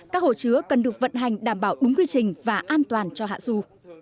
các hồ chứa cần được vận hành đảm bảo đúng quy trình và an toàn cho hạ du